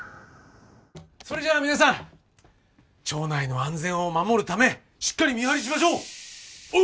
それじゃあ皆さん町内の安全を守るためしっかり見張りしましょう！